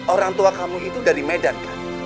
orang tua kamu itu dari medan